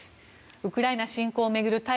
ウクライナ侵攻を巡る対